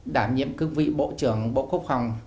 đảm nhiệm cương vị bộ trưởng bộ quốc phòng